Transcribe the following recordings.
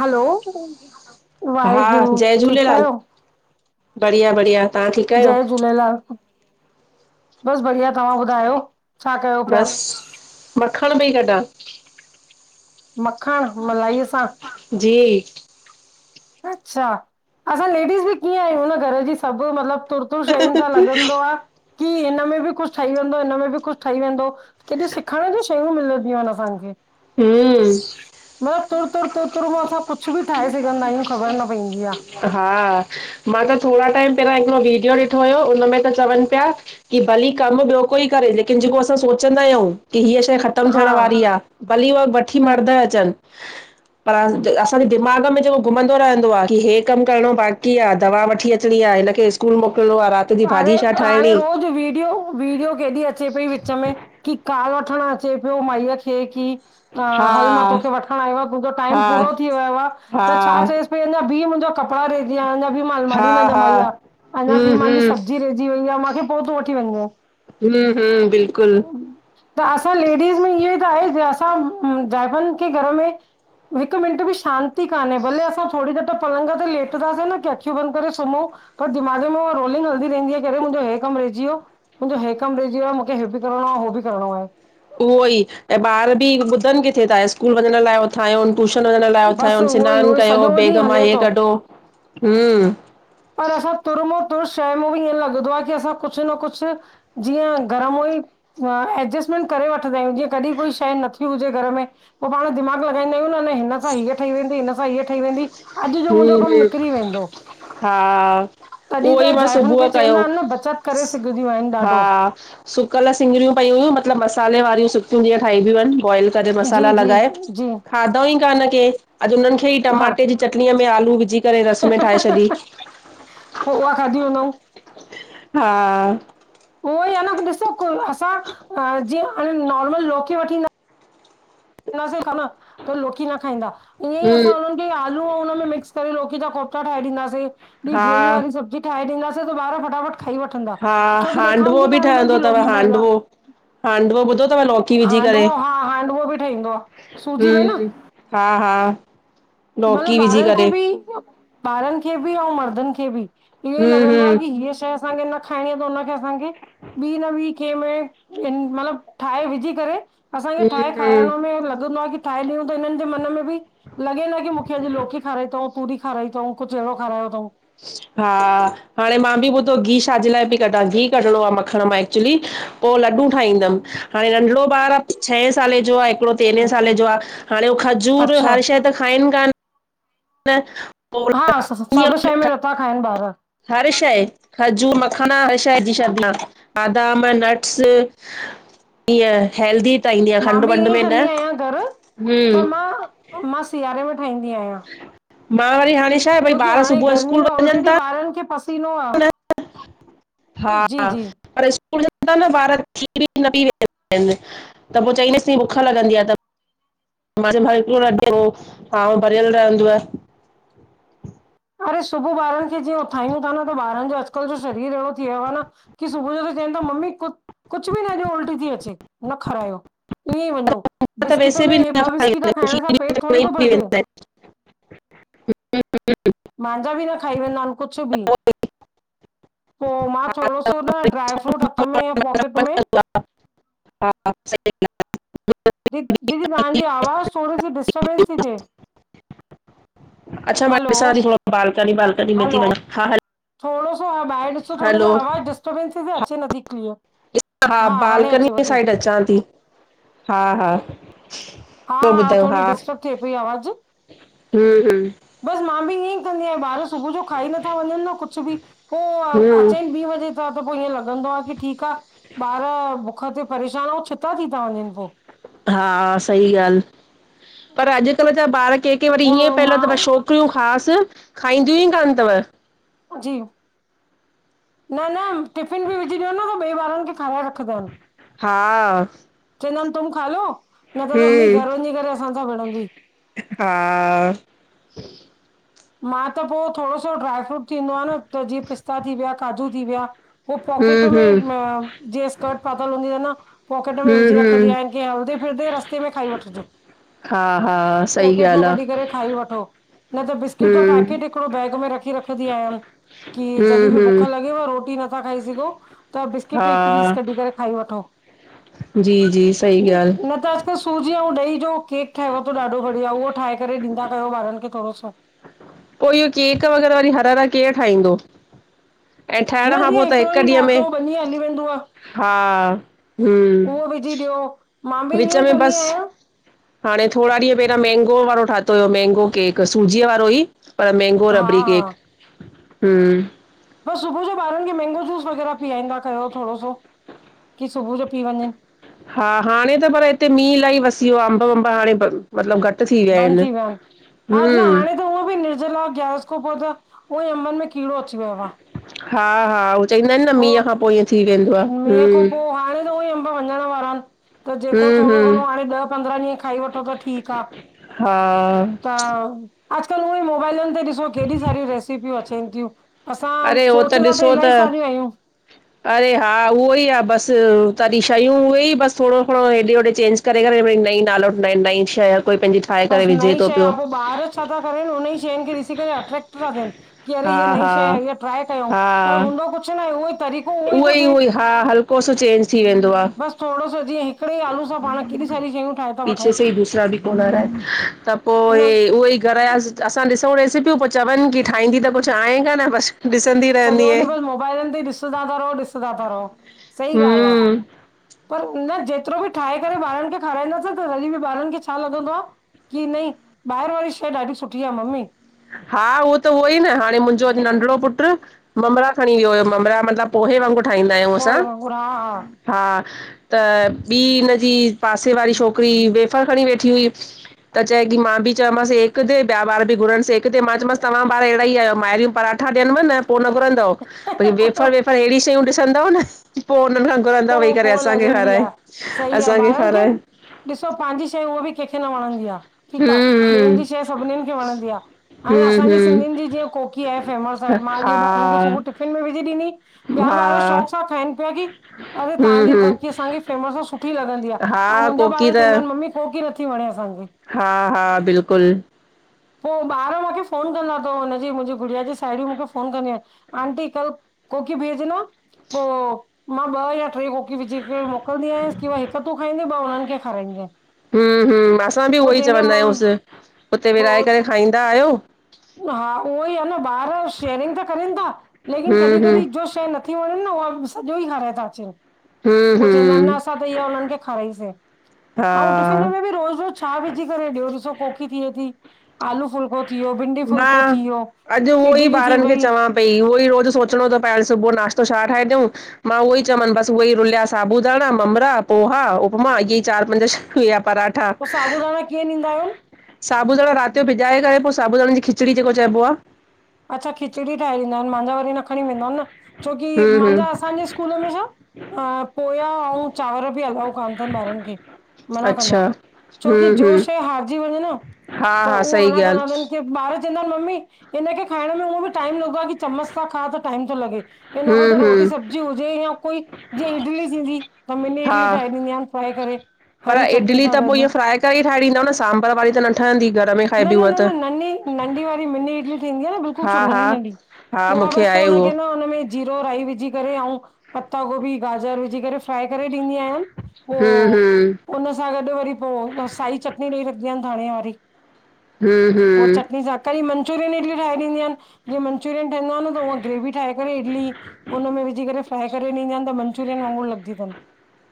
Hello! हा, वाहेगुरु जय ठीकु झूलेलाल, आहियो? बढ़िया बढ़िया, तंहां ठीकु आहियो? जय झूलेलाल, बस बढ़िया तहां ॿुधायो? छा कयो पिया? बस मक्खण पई कढां। मखण मलाईअ सां। जी। अच्छा, असां लेडीस बि कीअं आहियूं न, घर जी सभु मतिलबु तुर तुर शयुनि मां लॻंदो आ कि हिन में बि कुछ ठही वेंदो, हिन में बि कुछ ठही वेंदो। केॾियूं सिखण जी शयूं मिलंदयूंआहिन असांखे। हम्म ब तुर तुर तुर तुर मां असां कुछु बि ठाहे सघंदा आहियूं। ख़बर न पंइंदी आ। हा, मां त थोङा टाइम पहिरांयो हिकिड़ो वीडियो ॾिठो हुयो, हुन में त चवनि पिया कि भली कम ॿियो कोई करे लेकिन जेको असां सोचंदा आहियूं कि हीअ शै ख़तम हा, थियण वारी आ, भली उहे वठी मर्द अचन पर ह असांजे दिमाग़ में जेको घुमंदो रहंदो आ कि हे कमु करिणो बाक़ी आ, दवा वठी अचिणी आ, हिन खे स्कूल मोकिलणो आ, रात पाणे -पाणे रोज़ वीडियो वीडियो केॾी अचे पई विच में की काल वठणु अचे पियो माईअ खे की हा हल मां तोखे वठण आयो आं तुंजो टाइम हा पूरो थी वियो आ त छा हा चयस। अञा बी मुंहिंजा कपिड़ा रहजी वया अन अबी बी मां हा अलमारी न हा ज़माई आ अञा बी हम्म मुंजी। हम्म सब्जी रहिजी वई आ मांखे पो तूं वठी वञजाएं। हम्म हम्म बिल्कुलु त असां लेडीस में इहो ई त आहे असां जाइफ़नि के घर में हिकु मिन्ट बि शांती कान्हे भले असां थोरी देर त पलंग ते लेटदासे न की अखियूं बंदि करे सुम्हूं त दिमाग में उह रोलिंग हल ही इन्हजे करे मुंजो हे कमु रहिजी वियो मुंजो हे कमु रहिजी वियो आ मूंखे हे बि करणो आ हो बि करणो आ। उहो ई ऐं ॿार बि ॿुधन किथे था स्कूल वञण लाइ उथांयोन। टूशन वञण लाइ बसि उथायोन उहो ई सिनानु उहो ई कयो सॼो बेग ॾींहुं मां हले हे थो कढो हूं। पर असां तुर मां तुर शइ में बि ईअं लॻदो आ की असां कुछ न कुछ जीअं गर्म हुई हा एडजस्टमेंट करे वठदा आयूं जीअं कॾीं कोई शइ नथी हुजे घर में पो पाण दिमाग़ु लॻाईंदा आयूं न हिनसां हीअ ठही वेंदी हिनसां हीअ ठही वेंदी। अॼु जो हूं मुंहिंजो कमु हि निकिरी वेंदो हा, तॾहिं उओई त मां जाइफ़ुनि सुबुह खे कयो, चवंदा आहिनि न बचति करे सघंदियूं आहिनि हा। ॾाढो सुकल सिंगरियूं पई हुयूं मतिलबु मसाले वारियूं सुकियूं जीअं ठाहिबियूं आहिनि, बॉइल। अॼ जी मसाला जी लॻाए जी खाधऊ ई कान के अॼ उन खेइ हा टमाटे जी चटडीअ में आलू विझी करे रस में ठाहे छॾी। पोइ उहा खाधी हूंदऊं हा, उहो ई आ न ॾिसो असां अ जीअं नॉर्मल लोकी वठींदा न सिर्फ खाना तो लोकी न खाईंदा ईअं ई हम्म असां उनन ये आलू हुन में मिक्स करे लोकी जा कोफ़्ता ठाहे ॾींदासे, बी ग्रवी हा वारी सब्जी ठाहे ॾींदासें त ॿार फटाफट खाई वठंदा हा छोकी ॾेखाम हांडवो दी बि कान त न ठहंदो की अथव ल़ोकी पियल आ। हांडवो हांडवो ॿुधो तव लौकी विझी करे, हांडवो हा हांडवो बि ठहींदो आ सूजी में न हूं। हा हा, मलब विझी ॿारनि खे करे बि ॿारनि खे बि आऊं मर्दनि खे बि इहो ई हम्म लॻंदो आहे हम्म की हीअ शाइ असां खे न खाइणी आ त हुन खे असांखे ॿी न ॿी कें में मतिलब इन ठाहे विझी करे। असांखे ठाहे हम्म हम्म खाराइणो में लॻंदो आहे की ठाहे ॾियूं त हिननि जे मन में बि लॻे न मूखे अॼु लौकी खाराई तऊं तूरी खाराई तऊं कुछ अहिड़ो खारयो तऊं। हा, हाणे मां बि ॿुधो गिह छाजे लाइ बि कढां गिह कढणो आ मखण मां एक्चुली पो लॾूं ठाहींदम। हाणे नंढिड़ो ॿार आ, छहें सालें जो आहे। हिकड़ो जी तेरहें सालें जो आहे हाणे उ खजूर अच्छा हर शइ त खाइनि कान न। हा स सभु शइ में नथा खाइन ॿार। हर शइ। खजूर मखाना हर शइ विज़ी शॾ मां बादाम नट्स ईअं हेल्दी ठाईंदी आ मां खंडु बि वंड ईअं ई में न कंदी आहियां घर हूं। पर मां मां सियारे में ठाहींदी आयां। मां वरी हाणे छा आहे भई छोकी ॿार हाणे सुबुह गर्मी स्कूल में वञनि ऑलरेडी था ॿारनि खे पसीनो आ। न हा पर स्कूल वेदा़ न ॿार [unintelligible] इन। त पो चंइ ॾिसीं बुख लॻंदी आ त मन [unintelligible] हियांव भरियल रहंदुव अरे सुबुअ ॿारनि खे जीअं उथायूं ता न, त ॿारनि जो अॼुकल्ह जो शरीर अहिड़ो थी वयो आ न की सुबुअ जो बि चवनि ता मम्मी कु कुछु बि न ॾियो उल्टी ती अचे न खारायो। ईयंई वंञंउ त बिस्किट वैसे में बि हे न ॿ खाई बिस्किट वेंदा आहिनि खाइण सां खीर न पेटु थोड़ी तो पी भरिजे वेंदा मांजा बि न खाई वेंदा हिन कुछू भी पो मां थोड़ो सो न ड्राई फ्रूट हथ में या पॉकेट में हा सही आ। दी दीदी तहांजी आवाज़ु थोड़ी सी डिस्टबंस थी थिए अच्छा मां हलो ॾिसां ती थोड़ो बालकनी वालकनी में ती वञां हा हैलो थोड़ो सो हा ॿाहिरि ॾिसो थोड़ी सी आवाज़ु डिस्टर्बेंस ती थे अचे नथी क्लीअर हा हाणे अचेव बालकनी थी। साइड अचां ती हा हा हा, पो ॿुधायो, थोरी हा डिस्टर्ब थिए पई हम्म हम्म बस मां बि ईयंई कंदी आहियां ॿार सुबु जो खाई नथा वंञंनि न कुछु बि पो हम्म अचेन ॿी वजे ता त पो ईयें लॻंदो आ की ठीक आ ॿार बुख ते परेशान अऊं छिता थी ता वंञेंनि पो हा सही ॻाल्हि, पर अॼुकल्ह जा ॿार के के वरी ईंयें पोइ पहिला त भई मां शो छोकरियूं ख़ासि खाईंदियूं ई कान तव। जी, न न टिफिन बि विझी ॾियोन न त ॿिए ॿारनि खे खाराए रख खदा इनि, हा चंईंदा इनि तुम खा लो न त त मम्मी हम्म घर वंञी करे अस असांसा विणंदी हा। मां त पो थोड़ो सो ड्राई फ्रूट थींदो आ न त जीअं पिस्ता थी विया, काजू थी विया हो हम्म पॉकेट हम्म में जीअं स्कर्ट पातल हूंदी आहे न पोकेट में हम्म विझी रखदी हम्म आहियान कि हलदे फिरदे रस्ते में खाई वठिजो। हा हा सही पोकेट मां ॻाल्हि कढी आहे करे खाई वठो न त बिस्क किट जो हम्म पैकेट हिकिड़ो बैग में रखी रखदी आह्यान कि हम्म जॾी बि भुख हम्म लगे गेव, रोटी नथा खाई सघो त बिस्किट हा हिकु पीस कढी करे खाई वठो जी जी सही ॻाल्हि न त त सूजी अंउं ॾही जो केक ठहेव तो ॾाढो बढ़िया, उहो ठाहे करे ॾींदा कयो ॿारनि खे थोड़ो सो पो इह्यो केक वग़ैरह वरी हर हर केरु ठाहींदो ऐं ठहिण न खां जीअं पो त हिकिड़ो हिक ॾींहुं ॾीहं में, ठातो ॿ ॾींहं हली वेंदो आ। हा। हम्म, उहो विझी ॾियो मां बि विच ईअं ई में कंदी बस आहियां। हाणे थोड़ा ॾींहं पहिरां मेंगो वारो ठातो हुयो मेंगो केक सूजीअ वारो ई पर मैंगो हा रबड़ी केक, हम्म। पो सुबु जो ॿारनि खे मैंगो जूस वग़ैरह पीआइंदा कयो थोड़ो सो कि सुबु जो पी वंञंनि। हा हांणे त पर हिते मींहुं इलाही वसी यो आ अम्ब वम्ब हांणे बंद मतलब घटि थी विया बंदि हिनि, थी आहिनि। हा न हम्म। हाणे त हुअं बि निर्जला ग्यारस खां पो त उहंई अंबनि में कीड़ो अची वयो आ। हा हा हो चईंदा इनि न मींहं खां पो ईंयं मिंह खां पो हाणें त उअंई अम्ब वंञंण वारा हिनि त जेको हम्म थोड़ो हम्म घणों हाणे ॾह पंद्रहां ॾींहं खाई वठो त ठीक आ त हा। अॼुकल्ह उअं ई मोबाइलियुन ते ॾिसो केॾी सारियूं रेसिपियूं अचेनि तियूं। असां सोचदा त इलाही सारियूं आहियूं अड़े हा, उहो ई आ, बस तॾहिं शयूं उहे ई, बस थोणो -थोणो हेॾे -होॾे चेंज। करे करे नई, नालो नईं शै, आ हर कोई पंहिंजी। ठाहे बस करे विझे नई थो शै आ पियो पोइ ॿार छा था करन हुन ई शयुन खे ॾिसी करे अट्रेक्ट था थियन। की अरे हा हीअ नईं हा शै आहे इअ ट्राए कयूं पर हा हूंदो कुछ न आहे उहो ई। तरीक़ो उहो थो ई, थिए। उहो ई, हा हल्को सो चेंज। थी वेंदो आ, बसि थोरो सो जीअं हिकिड़े ई आलू सां पाण केॾी सारी शयूं ठाहे था पीछे वठूं से ई दूसरा बि फोन आ रहा है। त पोइ न इ उहो ई घर या- - असां ॾिसूं रेसिपियूं, पोइ चवन की ठाहींदी त कुझ आहे कान, न बस। ॾिसंदी, सड़्य्यो रहंदीअ डींहं बस मोबाइलन ते डिस। डिसंदा ता रहो, ॾिसंदा ता रहो, सही ॻाल्हि आ हम्म पर उनजे। जेतरो बि ठाहे करे ॿारन खे, खाराईंदास त तॾ बि ॿारन खे छा लॻंदो आ। की नई, ॿाहिर वारी शइ ॾाढी सुठी आ, मम्मी। हा उहो त उहो ई न हाणे मुंहिंजो अॼु नंढिड़ो पुटु। ममरा खणी वियो, हुयो ममरा मतिलब पोहे वांगुरु ठाहींदा, आहियूं असां। पोइ वांगुरु हा हा त ॿी हिनजी पासे वारी छोकिरी वेफर् खणी वेठी हुई। त चए की मां बि चयोमांस एक दे ब्या ॿार बि घुरण से- - किथे मां चयोमास तत्हां ॿार अहिड़ा ई आहियो मायरू पराठा ॾियनव। पोइ न घुरंद भई हा वेफर वेफर अहिड़ी शयूं ॾिसंदव न पोइ हुनन्हन खा। घुरदा वेही पो करे, पो असांखे लॻंदी खाराए, आ, सही आ असांखे ॿारनि खे खाराए। ॾिसो पंहिंजी शइ उहा बि कंहिंखे न वणंदी आहे ठीक आहे ॿियनि हम्म जी शइ सभिनीनि खे वणंदी आहे हाणे हम्म असांजी हम्म सिंधियुन जीअं कोकी आहे फेमस आहे हम्म मां अड् ॿारन खे हा सुबुह टिफ़िन में विझी ॾिनी। ॿिया ॿार हा शौक़ सां खाइन पिया की? अरे हम्म तव्हांजी कोकी हम्म असांखे फेमस आ, सुठी लॻंदी आ? हा ऐं मुंहिंजा ॿार कोकी त चवंदा आहिन मम्मी, कोकी नथी वणे असांखे। हा -हा, बिल्कुल। पो ॿार मूंखे फोन कंदा अ हुननजी मुंहिंजी गुड़िया जी साहेड़ियूं मूंखे फोन कंदी आहिन आंटी कल- - कोकी भेजना, पो। मां ॿ या टे कोकी विझी करे मोकलंदी आयस की हिक तूं खाईंदीय ॿ हुनन खे खाराईंदीय। हम हम असां बि उहो ई चवंदा आहियूंस, हुते विराए पोइ करे खाईंदा आहियो। हा उहो ई आहे न ॿार शेयरिंग त करन था, लेकिन कॾहिं हम्म हम्म कॾहिं जो। शइ नथी, वणन न उहा सॼो ई हाराए था अचन। हम्म पो चवंदा न हम्म असां त इहा हुनन खे खाराईसीं अउ टिफ़िन हा में बि रोज़ रोज़- - छा विझी करे ॾियो ॾिसो कोकी थिए थी आलू फुलको थी वियायो भिंडी- - हा अड् उहो ई ॿारनि खे वई चवां- - भई उवोही रोज सोचणो, तो पहे- - सुबुह नाश्तो शा ठाहे ॾियूं। मां उहो ई चयमांन बस उहे ई रुलिया साबूदाणा ममड़ा पोहा उपमा इहे ई चार पंज शय या पराठा। पो साबूदाणा कीअं ॾींदा आहियोन? साबूदाणा रात यो बिॼाए करे पोइ साबूदाणन जी खिचड़ी जेको चइबो आ। अच्छा खिचड़ी ठाहे ॾींदा आहिनि मुंहिंजा वरी न खणी वेंदा न छोकी हम्म मुंहिंजा हम्म असांजे स्कूल में छा? अ पोया अउ चांवर बि अलाउ कान तन ॿारन खे, मना कंदा अचछा। आहिनि छोकी जो शइ हारजी वञे न हा त हा उहो सही मना कंदा ॻाल्हि तन कि, ॿार चवंदा आहिन मम्मी हिन खे खाइण में उह बि टाईम लॻंदो आहे कि चमच सां खा त टाईम तो लगै। हिन खां त हम्म रोटी हम्म सब्जी हुजे या कोई, जीअं इडली थींदी त मिनी हा इडली ठाहे ॾींदी आहिन फ्राए करे, पर हरी चटनी इडली सां त पो गॾु। ईअं फ्राए करे ठाहे ॾीदव न सांभर वारी त न ठंहदी घर में न खाइबी न हूअ न त न नंढी, नंढी वारी मिनी इडली थींदी आ न बिल्कुलु हा जो नंढी हा नंढी। हा उहा मूंखे बस पो आहे उहो हुनखे न हुनमें जीरो, राई विझी करे अउ पत्ता गोभी? गाजर विझी करे फ्राए करे ॾींदी आहियां। पो हम्म हम्म हुन सां गॾु वरी पो साई चटनी ॾेई रखंडी आयन् धाणे वारी। हम्म उ हम्म चटनी सां कॾी मंचुरियन इडली ठाहे ॾींदीआयन् जीअं मंचूरियन ठहंदो आ न त उअ ग्रेवी ठाहे करे इडली उन में विझी करे फ्राए करे ॾींदी आहिनि त मंचुरियन वांगुर लॻंदी तन।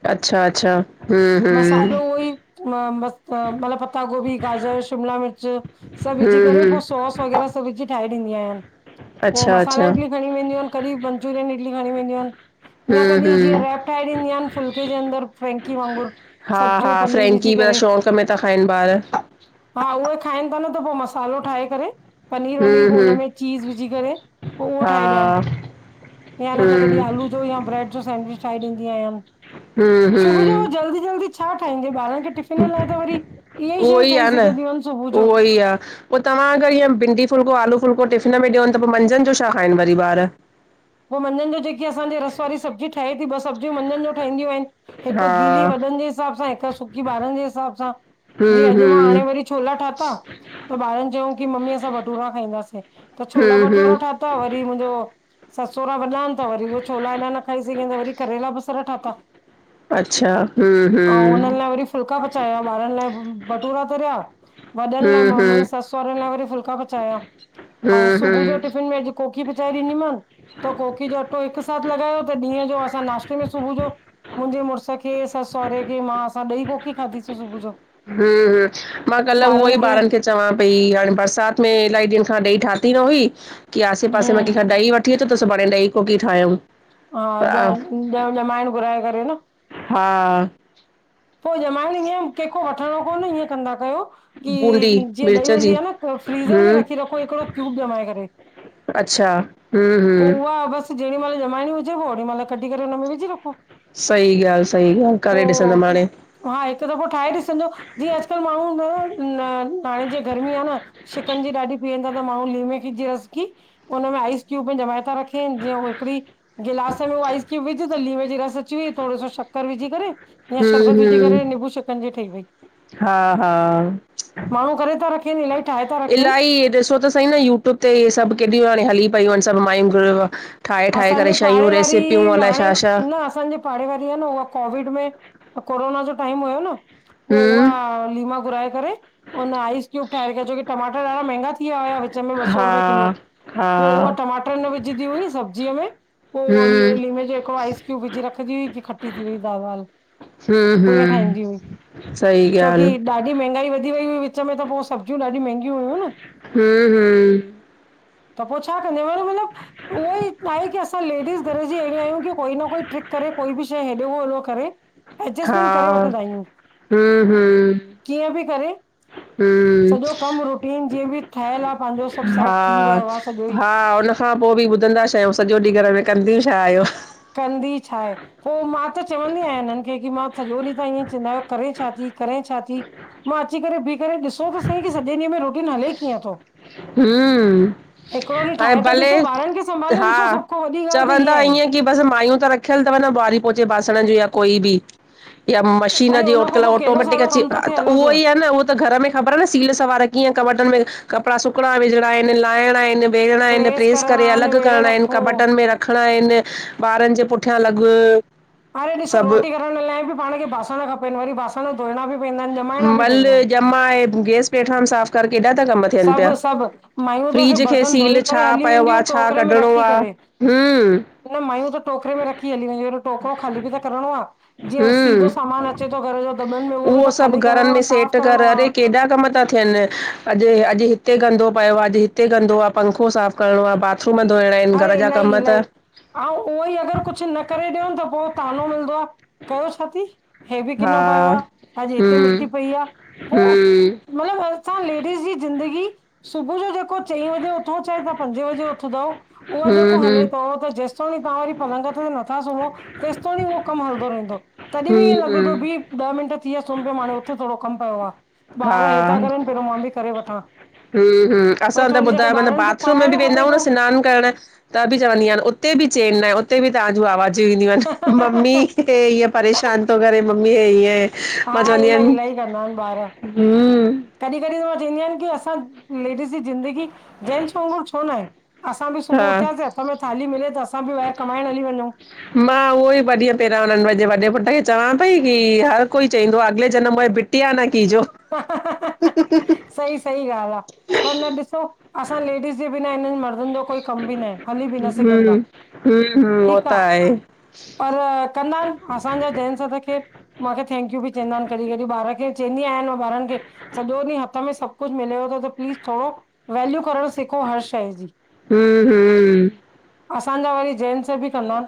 अच्छा अच्छा हम्म हम्म मसालो उई म मलब पता गोभी, गाजर श शिमला मिर्च सभु विझी हम्म करे पो हम्म सॉस वग़ैरह सभ विझी ठाहे ॾींदी आहियांन। अच्छा अच्छा खॾि वेंदूं इनि, कॾहिं मंचूरियन इडली खॾि वेंदूं इनि या हम्म कॾहिं जीअं हम्म रेफ्ट थाई ॾिदी आयन फुल्के जे अंदर फ्रैंकी वांगुर सब्जियूं पनीर विझी करे त खाइन ॿार हा उहे खाइन था न त पो मसालो ठाहे करे पनीर वनीर हम्म पो हुन हम्म में चीज़ विझी करे पो उहो हा ठाहे ॾयान। या न त कॾी हम्म आलू या ब्रेड जो सैंडविच ठाहे ॾिदी आयान। हम्म सुबु जो हम्म जल्दी जल्दी छा ठहेंजे बारन टिफिन लाइ त वरी इहे ई शयूं ठही सघंदियूं आहिन सुबुह जो। बि आ पो तव्हां अगर ईअं भंडी फुलको, आलू फुलको टफ़िन में ॾयोन त पो मंझन जो छा खाइन वरी ॿार? पो मझंन जो जेके असांजे रस वारी सब्जी ठहे थी ॿ सब्जियूं मझंन जो ठहंदियूं आहिन। हिक गीली हा वॾन जे हिसाब सां हिक सुकी ॿारन जे हिसाब सां। हूं जीअ अॼ मां हूं हाणे वरी छोला ठाता त ॿारन चयूं की मम्मी असां भटूरा खाईंदासे। त छोला हूं हूं भटूरा ठाता वरी मुंजो सस सौरा वॾा आहीन ता वरी उहे छोला हेॾा न खाई सघीन त वरी करेला बसर ठाता। अच्छा हम्म हम्म फुलका पचाया ॿारन लाइ बटूरा तरया वॾन लाइ मां मुंजे हूं सस सोहरन लाइ वरी फुल्का पचाया। अउ सुबु हूं जो टिफिन में अॼ कोकी पिचाए ॾिनी मान, त कोकी जो अटो हिक साथ लॻायो त ॾींहं जो असां नाश्ते में सुबु जो मुंजे मुड़स खे सस सौहरे खे मां असां ॾई कोकी खाधीसीं सुबु जो। हम्म हम्म, मां कल उहो ई ॿारन खे चवां पई हाणे बरसात में इलाही ॾींहन खां ॾई ठाती न हुई की आसे पासे में हम्म केखा ॾई वठी अचो थो त सुभाणे ॾई कोकी ठाहयूं। हा ॼ ॼमाएन घुराए करे न। हा पो ॼमाइण ईएंं केको वठणो कोन ईअं कंदा कयो की बूंदी जीअं ॾही मिर्च हूंदी जी आ न फ्रीज़र में हूं रखी रखो हिकड़ो क्यूब ॼमाए करे। अच्छा हूं हूं पो उहा बस जेॾीमल जमाइणी हुजे पो ओॾी मल कढी करे उन में विझी रखो। सही ॻाल, सही ॻाल पो करे ॾिसंदम हाणे। हा हिक दफ़ो ठाहे ॾिसंजो जीअं अॼुकल माण्हू न हाणे जे गर्मी आ न शिकंजी ॾाढी पीअन था त माण्हू लीमे जे रस की उन में आइस क्यूब ॼमाए ता रखेन जीअं हो हिकड़ी गिलास में वो आइस क्यूब विझ त लीमे जी रस अची वई थोरो सो शक्कर विझी करे या हूं शरबत विझी करे निबु शिकंजी ठई वई। हा-हा माण्हू करे था रखनि इलाही ठाहे था रखनि इलाही ॾिसो त सई न यू ट्यूब ते सभ केॾियूं हाणे हली पइयूं आहिन सभ मायूं घर मां ठाहे ठाहे करे असांजे शयूं पाड़े रेसिपियूं, वारी अलाए हाणे छा छा? न असांजे पाड़े वारी आ न उहा कोविड में कोरोना जो टाइम हुयो न पो हम्म उहा लीमा घुराए करे हुन आइस क्यूब ठाहे रखया छोकी टमाटर ॾाढा महंगा थीया हुया विच में ॿ सौ रुपए किलो। हा पो उहा हा टमाटर न विझंदी हुई सभ जी में पो हम्म लीमे जेको आइस क्यूब विझी रखंदी हुई की खट्टी थी वई दाल- वाल। हम्म इअं ठाहींदी हम्म हुई सही छोकी ॻाल्हि ॾाढी महंगाई वधी वई हुई विच में त पो सब्जियु ॾाढी महंगी हुयूं न। हम्म हम्म त पो छा कंदे मण मतलब उहो ई छाहे की असां लेडीस घर जी अहिड़ियूं आहियूं कि कोई न कोई ट्रिक करे कोई बि शइ हेॾो होॾो करे हा एडजेस्टमेंट करे वठंदा आहियूं, हम्म हम्म कीअं बि करे हम्म सॼो कम रुटीन जीअं बि ठयल आ पांजो सभ सेट थी वयो आ सॼो ई [unintelligible] खां पो बि ॿुधंदा छा आहियूं सॼो ॾींह घर में कंदियूं छा आयो। कंदी छा आहे? पोइ मां त चवंदी आहियां हिननि खे की मां सॼो ॾींहुं त इअं चिल्लाय़ो करे छा थी करे छा थी? मां अची करे बींही करे ॾिसो त सही की सॼे ॾींहं में रूटीन हले कीअं थो? हूं, हिकिड़ो ॾींहुं ऐं ठाहे त भले ॾिसो ॿारनि खे संभाले ॾिसो हा सभ खां वॾी ॻाल्हि त इहा चवंदा ईअं आहे ही कि बसि मायूं त रखियल तव ॿुआरी पोचे बासण जो या कोई बि। या मशीन अरे जी हुन अॼु खां कल्ह पोइ केॾो ऑटोमेटिक सारो अची कमु आ थो थिए त उहो अलॻि ई आहे न उहो त घर में ख़बर आ न सील सवार कीअं कॿट में कपड़ा सुकणा विझणा आहिनि लहिणा आहिनि। वेरहणा आहिन, प्रेस करे करणा अलग निवेड़े करणा आहिन रखो कॿट में रख रखणा आहिन, ॿारनि जे पुठियां लॻ। अरे ॾिसो रोटी कराइण लाइ बि पाण खे बासण खपेनि वरी बासण धोइणा बि पवंदा आहिनि जमाइणा बि पवंदा मले आहिनि ॼमाए गैस प्लेटफाॉरम साफ़ कर केॾा था कम थियनि पिया, सभु सभु मायूं त सिर्फ फ्रीज खे बर्तन सील धोई छा करे हली पयो आहे वेंदियूं छा कढणो आ। हूं उहो मायूं त टोकरे में रखी हली विदींयू अन टोकरो ख़ाली बि त करिणो आ। जीअं सीधो हम्म सामान अचे थो घर जो दॿनि में उहो बि त सभु ख़ाली करिणो घरनि आ में साफ़ सेट कर करिणो आ। अड़े केॾा कम ता थियनि अॼ-अॼु हिते गंदो पियो आ अॼु हिते गंदो आ पंखो साफ़ु करिणो आहे बाथरूम धोइणा आहिन घर जा कम त अऊं उहो ई अगर कुझु न करे ॾिययूं न त पोइ तानो मिलंदो आ कयो छा थी? हे बि हा किनो पियो आ, अॼु हिते हम्म मिटी पई आ पोइ हम्म मतलब असां लेडीस जी ज़िंदगी सुबुह जो जेको चईं बजे उथऊं चाहे तव्हां पंजे बजे उथंदव उहो जेको हम्म हले हम्म थो त जेस [unintelligible] तव्हां वरी पलंग ते नथा सुम्हो तेसत तणी उहो कमु हलंदो रहंदो तॾहिं बि हम्म ईअं लॻंदो हम्म भी ॾह मिंट थी विया सुम्ही पियो माणहूं उथ थोरो कमु पियो आ हा ॿार हे था करनि जेरो मां बि करे वठां। हूं-हूं पोइ असां त थोरी देरि ॿुधायो माव न ॿारनि खे बाथरूम में बि पढ़ाइणु वेंदा खपे आहियूं न थो सिनान करण त बि चवंदी अयान, उते बि चैन नाहे उते बि तव्हांजूं आवाजूं ईंदियूं आहिनि मम्मी। हे ईअं परेशान तो करे मम्मी हे हा इलाही ईअं [unintelligible] हूं कॾहि कॾहि मां चवयनी की, असां लेडीस जी ज़िंदगी जेंट्स वाघुर छो न आहे असां बि सुबुह हा उथियासीं हथ में थाली मिले त असां बि ॿाहिर कमाइण हली वञूं। मां उहो ई ॿ ॾींहं पहिरियां हुननि पंहिंजे वॾे पुट खे चवां पई की हर कोई चईंदो आह अॻिले जनम में तिया न की जो सही, सही ॻाल्ह आह। पर न ॾिसो असां लेडीस जे बिना हिनन मर्दनजो कोई कम बि न आहे, हली बि न सघन्दा हूं हूं उवो त आहे। पर कन्दा अन असांजा जैन्स त खैर मूंखे थैंक्यू बि चवंदा आन कॾहिं कॾहिं ॿार खे चवंदी आहिनि ॿारन खे सॼो ॾींहुं हथ में सब कुछ मिलेव थो त प्लीस थोरो वैल्यू करण सिखो हर शइ जी। हु असांजा वरी जैन्स बि कंदा आन।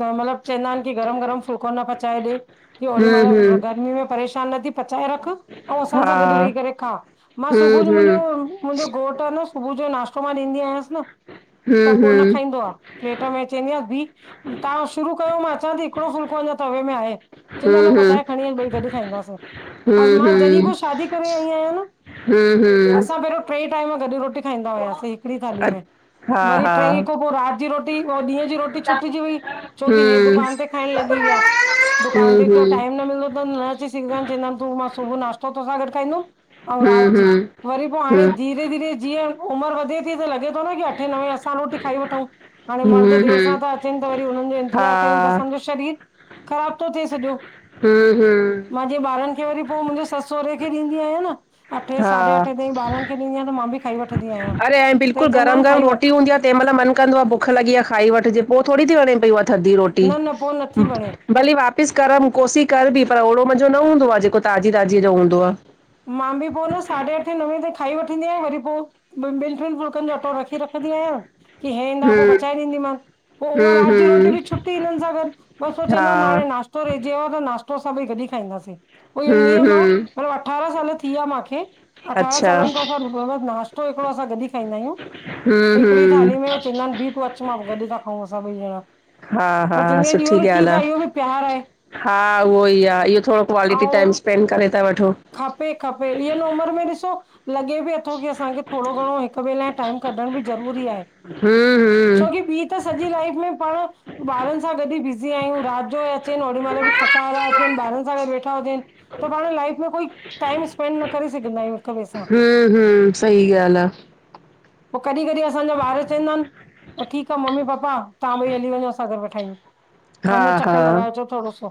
त मतिलब चवंदा आहिनि की गरम गरम फुलको न पचाए ॾे की होॾी हम्म मलअ हम्म गर्मी में परेशा मां नथी पचाए रखां अव असां हा सां गॾु वेही करे खा मां हम्म सुबुह जो हम्म मुंहिंजो मुंहिंजो घोटु आह न सुबुह जो नाश्तो मां ॾींदी आयास न। त हम्म हम्म हम्म पोइ न हम्म खाईंदो आह, प्लेट में अ चवंदी आह ॿि तां शुरू कयो, मां अचां ती हिकॾो फुलको अन्ना तवे में आहे। चइंदो आ पचाऐ खॾी अच ॿई गॾ खाईंदासे। हु, हु। ॼॾिह खों शादी करे आयी आयान हम्म हम्म अंसा पहरो ट्रे टाइम गॾ रोटी खाईंदा हुआसीं हिकॾी थाली अ में। हा वरी हा ठई त पोइ रात जी रोटी पोइ ॾींहं जी रोटी छुट जी वई। छोकी हे हम्म दुकान ते खाइण लॻी विया दुकान ते हम्म जो हम्म टाइम न मिलंदो त न अची [unintelligible] तू मां सुबुह नासतो तोह सा गॾु खाईंदुमि, ऐं हम्म रात जी। हम्म वरी पोइ हाणे हम्म धीरे धीरे जीअं उमिरि वधे थी त लॻे थो न की अठे, नवे असां रोटी खाई वठउ। हाणे मर्द हम्म देरि हम्म सां था अचनि त वरी हुननि जो हा इंतिज़ार कयूं त असांजो शरीर ख़राब थो थिए सॼो। हु हु। मां जीअं ॿारनि खे वरी पोइ मुंहिंजे सस सहुरे खे ॾींदी आयां न, अठे, साढे हा अठे ताईं ॿारनि खे [unintelligible] त मां बि खाई वठंदी आहियां अरे अएं त हे बिल्कुलु चवंदा गरम आहिन गरम खाई वठ रोटी हूंदी आह तंहिं मल मन कंदो आह भु भुख लॻी आह, खाई वठजे पो थोरी थी वणे पई हुअ थदी रोटी। न न पो नथी वणे भली वापसि करम, कोसी करॿी पर ओड़ो मज़ो न हूंदो आह जेको ताज़ी ताज़ी जो हूंदो आह। मां बि पोइ न साढे अठें नवे ताई खाई वठंदी आयां, वरी पोइ ॿिनि टिन फुलकनि जो अटो रख रखंदी आहियां की हे ईंदा पोइ हम्म पचाए ॾींदी मान पोइ उहा हम्म राति जी रोटी बि हम्म छुटी हिननि सां गॾु, बस हो हा चवंदा आहिनि हाणे नाश् [unintelligible] रहिजी त नास्तो अस्सां ॿइ गॾ हि खाईंदसे पोइ हें हम्म नियम आह हम्म [unintelligible] अठारां साल थी विया माखे, अठारहां अच्छा सालनि खों ॿ असां नासतो हिकिॾो असां गॾ ही खाईंदा आहियूं हम्म हिकिड़ी थाली में हम्म चवंदा आहिनि बि पोइ अच मां गॾु था खाऊं ॿइ ॼॾा। हा, हा सुठी ॻाल्हि आह। बि प्यार आहे हा उहो ई आह इहो थोरो क्वालिटी ऐं टाइम स्पेंड करे था वठो। खपे खपे इन उमिरि में ॾिसो लॻे बि अथो, की असांखे थोड़ो घणो हिक ॿिए लाइ टाइम कढ़ण बि ज़रूरी आहे। हूं छोकी, ॿी त सॼी लाइफ में पाण ॿारन सां गॾ ई बिज़ी आहयूं, रात जो हे अचेन, ओॾी महिल बि थका हारा अचेन ॿारन सां गॾ वेठा हुजेन। त पाण लाइफ में कोई, टाइम स्पेंड न करे सघंदा आयूं। हूं हूं, सही ॻाल्ह आ। पो, कॾी कॾी असांजा ॿार चेंदा एन, पो ठीक आ मम्मी-पापा, तहां ॿई हली वञो असां घर वेठायूं। हा वञो हा चकर लॻाएचो थोड़ो सो,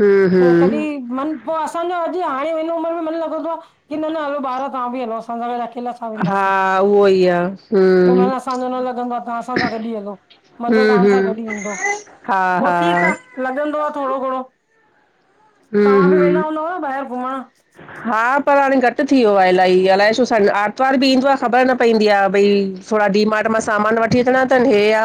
हम्म पो कॾी हम्म मन पो, असांजो अॼ हाणे हिन उमर में मन लॻंदो आ, की न न हलो ॿार तहां बि हलो असांसां गॾ। अकेला छा वेंदासे, हा उहो ई आ हम्म मन असांजो न लॻंदो आ, तहां असांसां गॾ ई हलो। मज़ो हम्म तहां सां हम्म गॾ ईंदो। हा पो हा ठीक आ लॻंदो आ थोरो घणो, हम्म तहां बि वेंदा हम्म हूंदव ॿाहिर घुमण? हा, पर हाणे घट थी व्यो आ इलाही, अलाए छो स आतवार बि ईंदो आ, ख़बर न पईंदी आ भई थोड़ा डी मार्ट मां, सामान वठी अचणा तन, हे आ